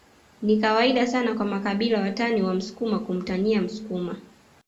Ni kawaida sana kwa makabila watani wa msukuma kumtania msukuma